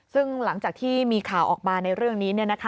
ซึ่งหลังจากที่มีข่าวออกมาในเรื่องนี้